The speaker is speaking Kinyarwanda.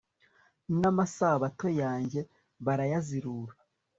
namasabato yanjye barayazirura